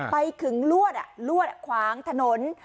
ไปถึงลวดลวดขวางถนน